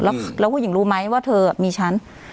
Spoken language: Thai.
แล้วผู้หญิงรู้ไหมว่าเธอมีฉัน